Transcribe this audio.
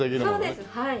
そうですはい。